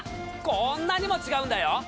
こんなにも違うんだよ！